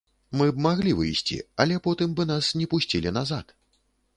Мы б маглі выйсці, але потым бы нас не пусцілі назад.